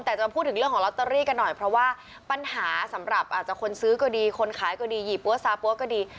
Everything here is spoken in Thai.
แต่จะมาพูดถึงเรื่องของลอตเตอรี่กันหน่อยเพราะว่าปัญหาสำหรับอาจจะคนซื้อก็ดีคนขายก็ดีหยี่ปั้วซาปั๊วก็ดี